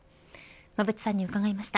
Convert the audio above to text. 馬渕さんに伺いました。